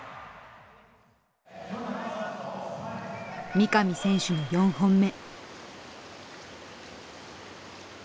三上選手の４本目。